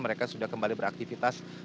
mereka sudah kembali beraktivitas